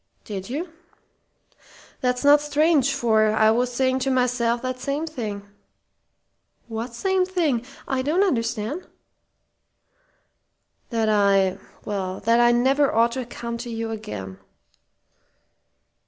"Did you? That's not strange, for I was saying to myself that same thing." "What same thing? I don't understand." "That I well, that I never ought to come to you again."